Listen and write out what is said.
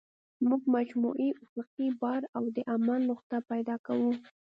موږ مجموعي افقي بار او د عمل نقطه پیدا کوو